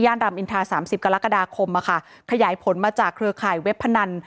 ย่านรำอินทรา๓๐กรกฎาคมมาค่ะขยายผลมาจากเครือข่ายเว็บพนัน